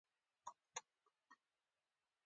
په شپاړس سوه شل کال کې سیاسي انقلاب راوټوکېد